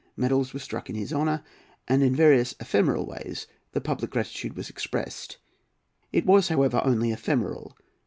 Medals were struck in his honour, and in various ephemeral ways the public gratitude was expressed. It was, however, only ephemeral.